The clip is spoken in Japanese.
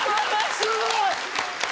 すごい！！